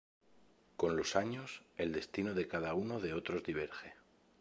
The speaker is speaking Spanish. Con los años, el destino de cada uno de otros diverge.